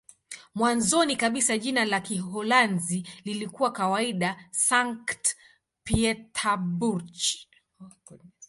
Mwanzoni kabisa jina la Kiholanzi lilikuwa kawaida "Sankt-Pieterburch".